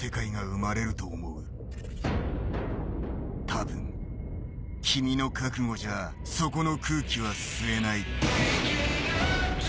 多分、君の覚悟じゃそこの空気は吸えない。